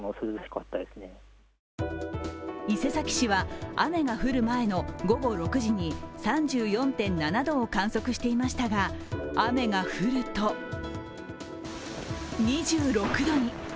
伊勢崎市は雨が降る前の午後６時に３４．７度を観測していましたが雨が降ると２６度に。